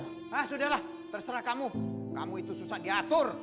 hah saudara terserah kamu kamu itu susah diatur